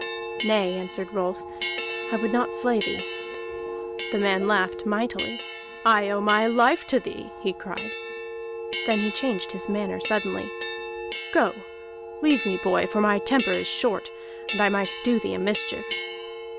"Nay," answered Rolf, "I would not slay thee." The man laughed mightily. "I owe my life to thee!" he cried. Then he changed his manner suddenly. "Go, leave me, boy, for my temper is short, and I might do thee a mischief!"